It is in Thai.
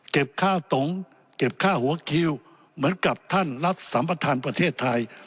เก็บข้าวตงกว่าเก็บข้าวหัวคิวเหมือนกับท่านรัฐสัมปทัณฑ์ประเทศไทย